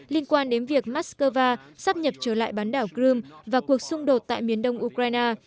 liên quan đến việc moscow sắp nhập trở lại bán đảo crimea và cuộc xung đột tại miền đông ukraine